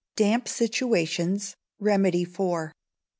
Damp Situations, Remedy for.